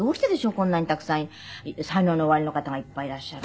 こんなにたくさん才能のおありの方がいっぱいいらっしゃる。